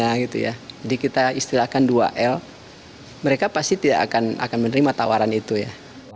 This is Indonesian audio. kualitasnya itu ya di kita istilahkan dua l mereka pasti tidak akan akan menerima tawaran itu ya